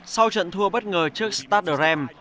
sau trận thua bất ngờ trước stade rennes